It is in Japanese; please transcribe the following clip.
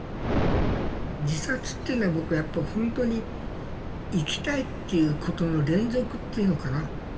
自殺っていうのは僕はやっぱほんとに生きたいっていうことの連続っていうのかな。